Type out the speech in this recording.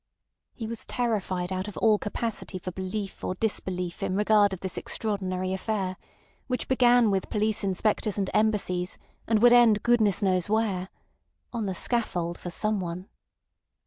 He was terrified out of all capacity for belief or disbelief in regard of this extraordinary affair, which began with police inspectors and Embassies and would end goodness knows where—on the scaffold for someone.